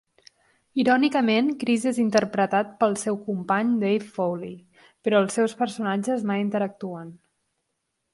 Irònicament, Chris és interpretat pel seu company Dave Foley, però els seus personatges mai interactuen.